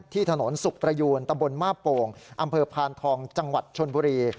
ที่ถนนสุขประยูนตำบลมาบโป่งอำเภอพานทองจังหวัดชนบุรี